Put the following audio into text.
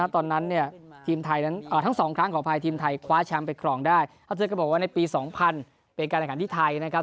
ทั้ง๒ครั้งของไทยทีมไทยคว้าแชมป์ไปครองได้เขาเจอก็บอกว่าในปี๒๐๐๐เป็นการอาหารที่ไทยนะครับ